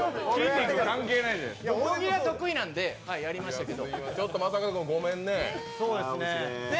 大喜利は得意なんでやりましたけど。